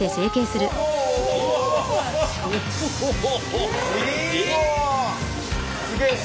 すごい。